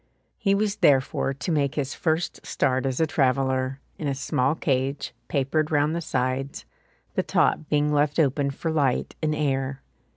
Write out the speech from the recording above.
He was therefore to make his first start as a traveller, in a small cage, papered round the sides, the top being left open for light and air.